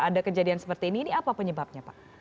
ada kejadian seperti ini ini apa penyebabnya pak